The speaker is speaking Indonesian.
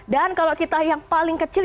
dan kalau kita yang paling kecil